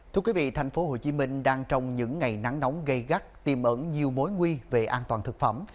thưa quý vị thành phố hồ chí minh đang trong những ngày nắng nóng gây gắt tìm ẩn nhiều mối nguy về an toàn thực phẩm